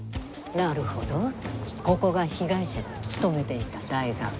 なるほどここが被害者が勤めていた大学。